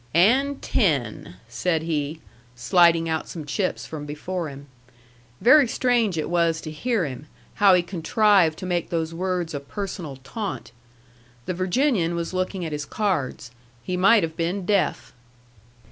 "AND ten," said he, sliding out some chips from before him. Very strange it was to hear him, how he contrived to make those words a personal taunt. The Virginian was looking at his cards. He might have been deaf.